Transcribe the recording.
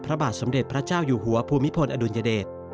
พระบาทสมเด็จพระเจ้าอยู่หัวภูมิพลอดุลยเดช